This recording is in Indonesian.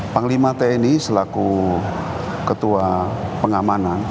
panglima tni selaku ketua pengamanan